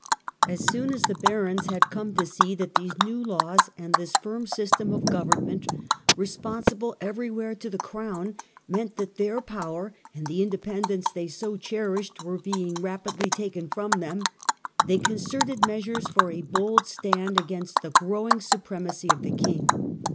As soon as the barons had come to see that these new laws and this firm system of government, responsible everywhere to the crown, meant that their power and the independence they so cherished were being rapidly taken from them, they concerted measures for a bold stand against the growing supremacy of the king.